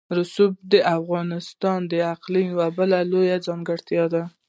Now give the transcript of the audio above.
رسوب د افغانستان د اقلیم یوه بله لویه ځانګړتیا ده.